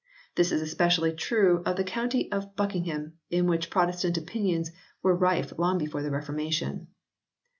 This is especially true of the county of Buckingham in which Protestant opinions were rife long before the Reformation.